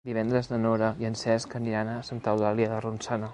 Divendres na Nora i en Cesc aniran a Santa Eulàlia de Ronçana.